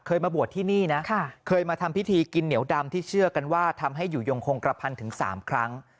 มาบวชที่นี่นะเคยมาทำพิธีกินเหนียวดำที่เชื่อกันว่าทำให้อยู่ยงคงกระพันถึง๓ครั้ง